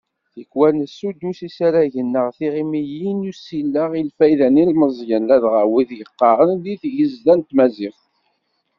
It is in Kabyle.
Tikwal nessuddus isaragen neɣ tiɣimiyin n usileɣ i lfayda n yilemẓiyen, ladɣa wid yeqqaren deg yigezda n tmaziɣt.